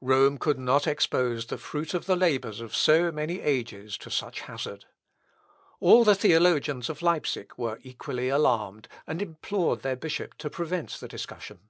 Rome could not expose the fruit of the labours of so many ages to such hazard. All the theologians of Leipsic were equally alarmed, and implored their bishop to prevent the discussion.